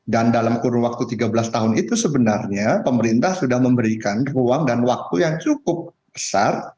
dan dalam kurun waktu tiga belas tahun itu sebenarnya pemerintah sudah memberikan uang dan waktu yang cukup besar